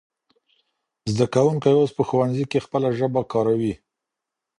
زده کوونکی اوس په ښوونځي کې خپله ژبه کارکوي.